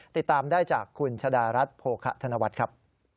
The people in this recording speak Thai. ติดตามได้จากคุณชะดารัฐโภคะธนวัฒน์ครับ